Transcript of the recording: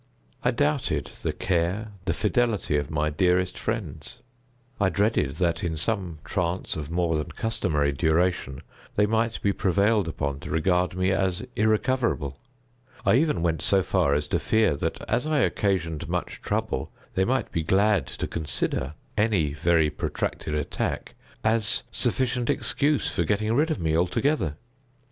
I doubted the care, the fidelity of my dearest friends. I dreaded that, in some trance of more than customary duration, they might be prevailed upon to regard me as irrecoverable. I even went so far as to fear that, as I occasioned much trouble, they might be glad to consider any very protracted attack as sufficient excuse for getting rid of me altogether.